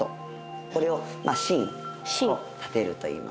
これを「真を立てる」といいます。